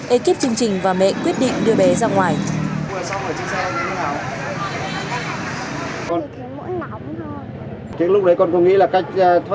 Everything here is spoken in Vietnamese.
ek chương trình và mẹ quyết định đưa bé ra xe ô tô